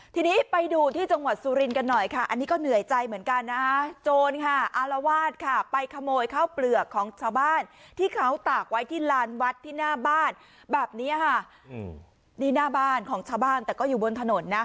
ทีนี้ไปดูที่จังหวัดสุรินทร์กันหน่อยค่ะอันนี้ก็เหนื่อยใจเหมือนกันนะฮะโจรค่ะอารวาสค่ะไปขโมยข้าวเปลือกของชาวบ้านที่เขาตากไว้ที่ลานวัดที่หน้าบ้านแบบนี้ค่ะนี่หน้าบ้านของชาวบ้านแต่ก็อยู่บนถนนนะ